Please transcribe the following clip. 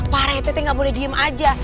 pak rete tete gak boleh diem aja